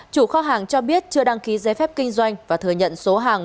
chủ kho hàng cho biết chưa đăng ký giấy phép kinh doanh và thừa nhận số hàng